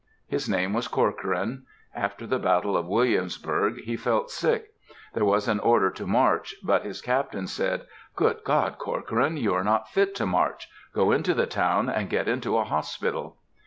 His name was Corcoran. After the battle of Williamsburg he felt sick. There was an order to march, but his Captain said, "Good God! Corcoran, you are not fit to march. Go into the town and get into a hospital."